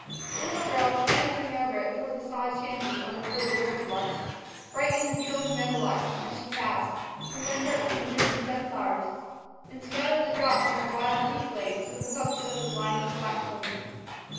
The little girl, cantering over it toward the sod shanty on the farther river bluffs, frightened the trilling meadow larks, as she passed, from their perch on the dripping sunflowers, and scattered the drops on the wild wheat blades with the hoofs of her blind black pony.